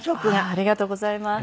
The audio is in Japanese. ありがとうございます。